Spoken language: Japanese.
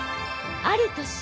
ある年